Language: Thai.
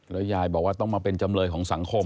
ยายบอกว่าต้องมาเป็นจำเลยของสังคม